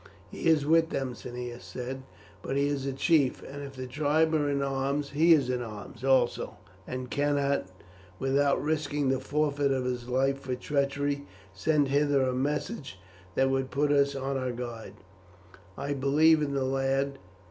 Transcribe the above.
"He is with them," Cneius said, "but he is a chief, and if the tribe are in arms he is in arms also, and cannot, without risking the forfeit of his life for treachery, send hither a message that would put us on our guard. I believe in the lad.